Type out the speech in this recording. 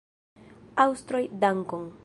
Aŭstroj, dankon!